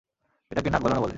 এটাকেই নাক গলানো বলে।